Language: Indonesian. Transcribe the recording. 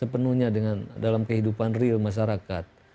penuhnya dengan dalam kehidupan real masyarakat